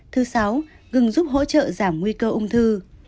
thứ sáu ngừng giúp hỗ trợ giảm nguy cơ ung thư